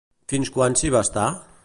Fins quan s'hi va estar?